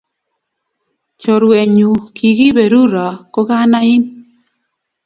Churuenyu kikiberuro kukanain